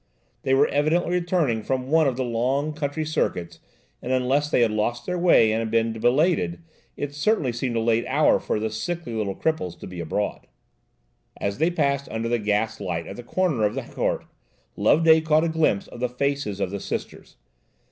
They were evidently returning from one of their long country circuits, and unless they had lost their way and been belated–it certainly seemed a late hour for the sickly little cripples to be abroad. As they passed under the gas lamp at the corner of the court, Loveday caught a glimpse of the faces of the Sisters.